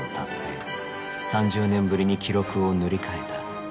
３０年ぶりに記録を塗り替えた。